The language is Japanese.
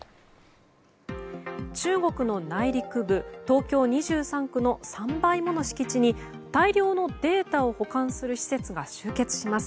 中国の内陸部東京２３区の３倍もの敷地に大量のデータを保管する施設が集結します。